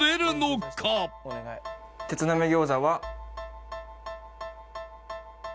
鉄鍋餃子は。